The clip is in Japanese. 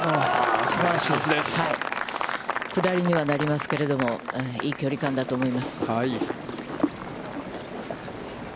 下りにはなりますけど、いい距離感だと思います。